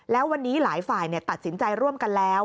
แล้ววันนี้หลายฝ่ายตัดสินใจร่วมกันแล้ว